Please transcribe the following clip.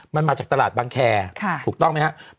มันมาจากตลาดบางแคร์ถูกต้องไหมครับ